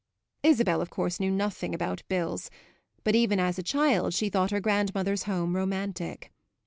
Isabel of course knew nothing about bills; but even as a child she thought her grandmother's home romantic.